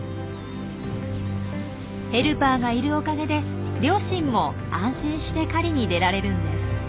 ヘルパーがいるおかげで両親も安心して狩りに出られるんです。